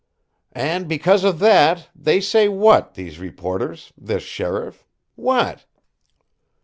"And because of that, they say what, these reporters, this sheriff? What?"